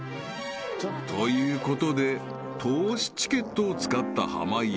［ということで透視チケットを使った濱家］